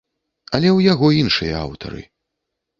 Але ў яго іншыя аўтары.